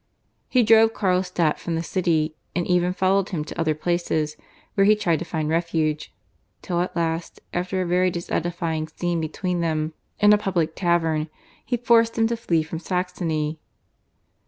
He drove Carlstadt from the city, and even followed him to other places where he tried to find refuge, till at last, after a very disedifying scene between them in a public tavern, he forced him to flee from Saxony.